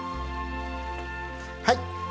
はい。